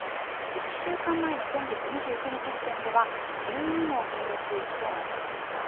１週間前の先月２９日時点では、１２の国と地域となっていました。